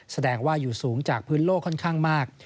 แสดงว่าอยู่สูงจากพื้นโลกค่อนข้างมาก